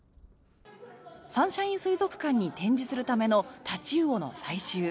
サンシャイン水族館に展示するためのタチウオの採集。